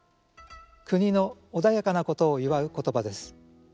国の穏やかなことを祝う言葉です。